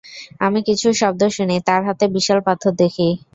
আমি কিছু শব্দ শুনি, তার হাতে বিশাল পাথর দেখি।